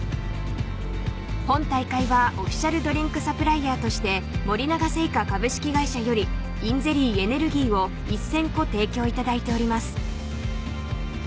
本大会はオフィシャルドリンクサプライヤーとして森永製菓株式会社よりｉｎゼリーエネルギーを１０００個提供いただいております。